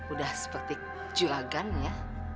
udah seperti juragan ya